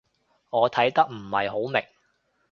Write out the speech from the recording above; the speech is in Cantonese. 我睇得唔係好明